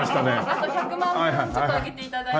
あと１００万分ちょっと上げて頂いて。